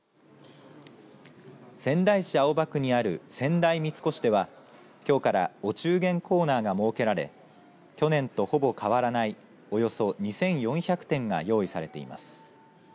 仙台市青葉区にある仙台三越ではきょうからお中元コーナーが設けられ去年とほぼ変わらない、およそ２４００点が用意されています。